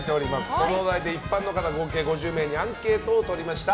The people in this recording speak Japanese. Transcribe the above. そのお題で一般の方合計５０人にアンケートを取りました。